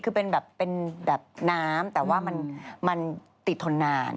คือเป็นแบบน้ำแต่ว่ามันติดทนนาน